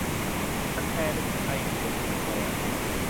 มันแปลเป็นไทยเกือบหมดเลยอ่ะ